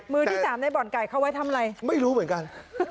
ที่สามในบ่อนไก่เขาไว้ทำอะไรไม่รู้เหมือนกัน